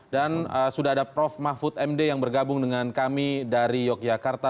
dan sudah ada prof mahfud md yang bergabung dengan kami dari yogyakarta